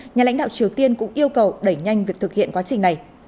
nhà lãnh đạo triều tiên cũng yêu cầu đẩy nhanh việc thực hiện quá trình này